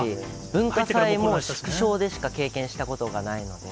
文化祭も縮小でしか経験したことがないので。